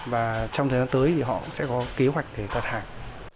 và trong thời gian tới thì họ cũng sẽ có kế hoạch để đặt hàng